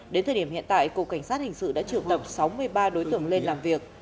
đến thời điểm hiện tại cục cảnh sát hình sự đã triệu tập sáu mươi ba đối tượng lên làm việc